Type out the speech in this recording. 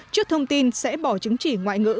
trước thông tin sẽ bỏ chứng chỉ ngoại ngữ